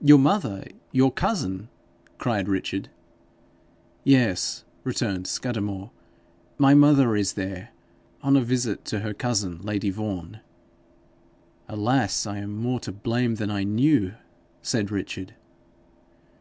'Your mother! your cousin!' cried Richard. 'Yes,' returned Scudamore; 'my mother is there, on a visit to her cousin lady Vaughan.' 'Alas, I am more to blame than I knew!' said Richard.